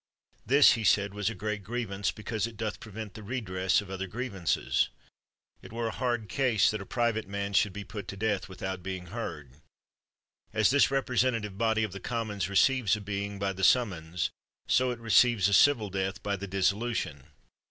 This (he said) was a great grievance because it doth prevent the redress of other grievances. It were a hard case that a private man should be put to death with out being heard. As this representative body of the Commons receives a being by the sum mons, so it receives a civil death by the disso lution.